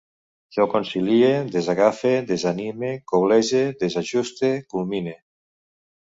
Jo concilie, desagafe, desanime, coblege, desajuste, culmine